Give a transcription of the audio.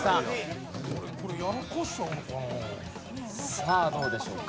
さあどうでしょうか？